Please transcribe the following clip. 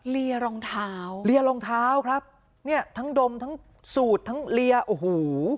เหลียรองเท้าครับเนี่ยทั้งดมทั้งสูดทั้งเลียโอ้โห